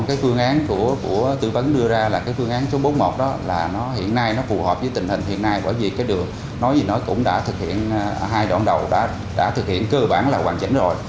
cái phương án của tư vấn đưa ra là cái phương án số bốn mươi một đó là nó hiện nay nó phù hợp với tình hình hiện nay bởi vì cái đường nói gì nó cũng đã thực hiện ở hai đoạn đầu đã thực hiện cơ bản là hoàn chỉnh rồi